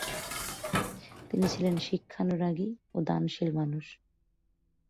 তিনি ছিলেন শিক্ষানুরাগী ও দানশীল মানুষ।